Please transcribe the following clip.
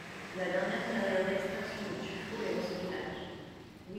La dernière carrière d'extraction de tuffeau est dans ce village.